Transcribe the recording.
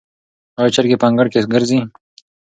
آیا چرګې په انګړ کې ګرځي؟